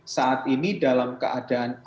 saat ini dalam keadaan e hack